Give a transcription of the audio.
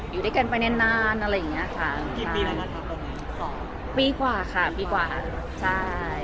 อยู่ด้วยกันไปแน่นอะไรอย่างเงี้ยค่ะปีกว่าค่ะปีกว่าใช่ใช่